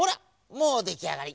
もうできあがり！